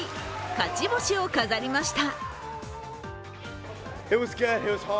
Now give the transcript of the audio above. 勝ち星を飾りました。